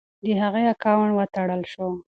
د هغې اکاونټ وتړل شو.